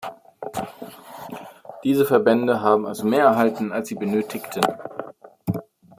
Diese Verbände haben also mehr erhalten, als sie benötigten.